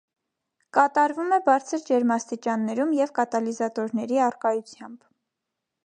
Կատարվում է բարձր ջերմաստիճաններում և կատալիզատորների առկայությամբ։